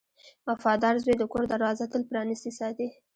• وفادار زوی د کور دروازه تل پرانستې ساتي.